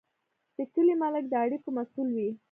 د کلي ملک د اړیکو مسوول وي.